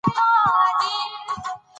د افغانستان طبیعت له لوگر څخه جوړ شوی دی.